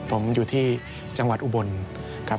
ผมอยู่ที่จังหวัดอุบลครับ